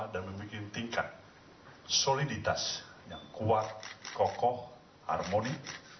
dan membuat tingkat soliditas yang kuat kokoh harmoni